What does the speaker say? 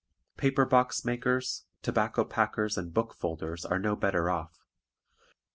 Paper box makers, tobacco packers, and book folders are no better off.